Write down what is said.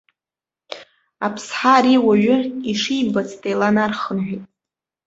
Аԥсҳа ари уаҩы ишимбац деиланархынҳәит.